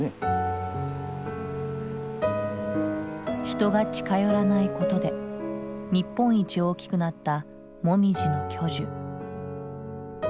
人が近寄らないことで日本一大きくなったモミジの巨樹。